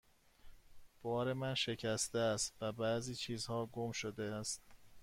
بار من شکسته است و بعضی چیزها گم شده است.